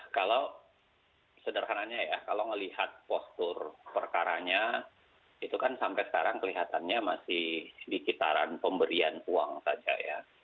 kalau sederhananya ya kalau melihat postur perkaranya itu kan sampai sekarang kelihatannya masih di kitaran pemberian uang saja ya